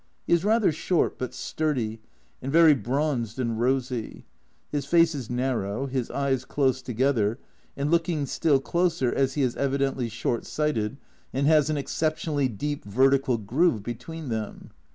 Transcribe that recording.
He is rather short, but sturdy, and very bronzed and rosy. His face is narrow, his eyes close together, and looking still closer, as he is evidently short sighted, and has an exceptionally deep jvertical groove between them.